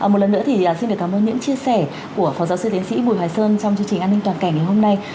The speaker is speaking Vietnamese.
một lần nữa thì xin được cảm ơn những chia sẻ của phó giáo sư tiến sĩ bùi hoài sơn trong chương trình an ninh toàn cảnh ngày hôm nay